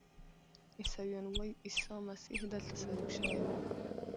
عیسویان وایي عیسی مسیح دلته صلیب شوی و.